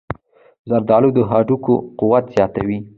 زردآلو د هډوکو قوت زیاتوي.